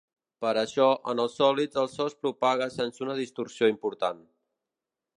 Per això, en els sòlids el so es propaga sense una distorsió important.